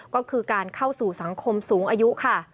ก็คือการเข้าสู่สังคมสูงอายุค่ะ